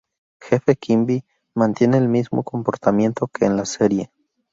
Jefe Quimby, mantiene el mismo comportamiento que en la serie.